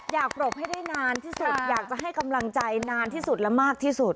ปรบให้ได้นานที่สุดอยากจะให้กำลังใจนานที่สุดและมากที่สุด